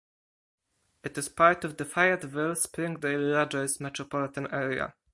It is part of the Fayetteville-Springdale-Rogers Metropolitan Area.